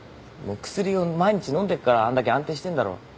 もう薬を毎日飲んでっからあんだけ安定してんだろ。